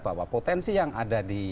bahwa potensi yang ada di